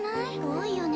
多いよね